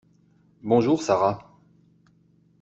Bonjour Sara.